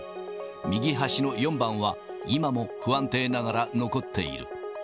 右端の４番は、今も不安定ながら残っている。